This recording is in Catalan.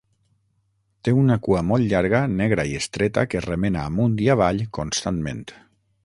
Té una cua molt llarga, negra i estreta que remena amunt i avall constantment.